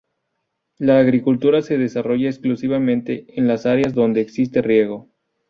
La agricultura se desarrolla exclusivamente en las áreas donde existe riego.